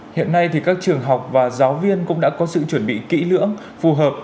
hiện nay thì các trường học và giáo viên cũng đã có sự chuẩn bị kỹ lưỡng phù hợp